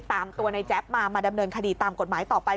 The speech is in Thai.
ตามตัวในแจ๊บมามาดำเนินคดีตามกฎหมายต่อไป